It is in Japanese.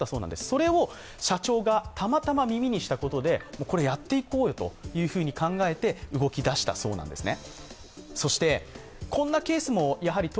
それを社長がたまたま耳にしたことでこれやっていこうよというふうに考えて動き出したそうなんですね。